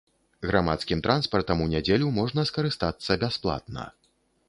Грамадскім транспартам у нядзелю можна скарыстацца бясплатна.